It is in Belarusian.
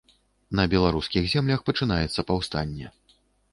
На беларускіх землях пачынаецца паўстанне.